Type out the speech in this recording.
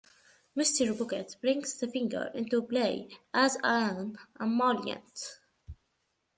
Mr. Bucket brings the finger into play as an emollient.